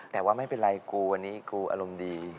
แต่ว่าไม่เป็นไรตัวเองกูอารมณ์ดี